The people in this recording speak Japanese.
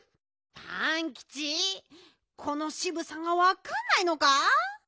パンキチこのしぶさがわかんないのか？